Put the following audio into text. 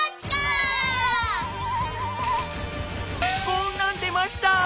こんなんでました。